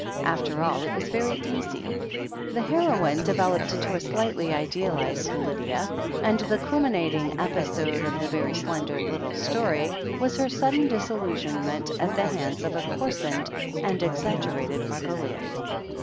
After all, it was very easy. The heroine developed into a slightly idealized Lydia, and the culminating episode of the very slender little 212 THE HEEL OF ACHILLES Story was her sudden disillusionment at the hands of a coarsened and exaggerated Margoliouth.